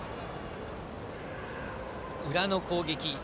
裏の攻撃。